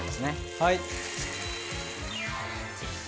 はい。